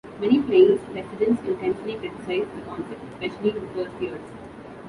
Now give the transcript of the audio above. Many Plains residents intensely criticized the concept, especially in the first years.